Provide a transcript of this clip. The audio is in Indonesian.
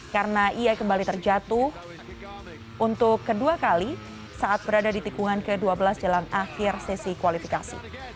karena ia kembali terjatuh untuk kedua kali saat berada di tikungan ke dua belas jalan akhir sesi kualifikasi